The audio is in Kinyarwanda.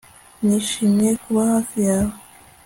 Nishimiye kuba hafi yawe